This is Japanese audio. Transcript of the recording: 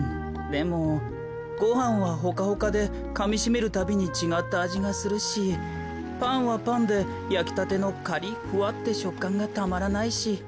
でもごはんはホカホカでかみしめるたびにちがったあじがするしパンはパンでやきたてのカリフワってしょっかんがたまらないし。